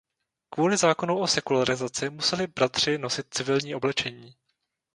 Kvůli zákonu o sekularizaci museli bratři nosit civilní oblečení.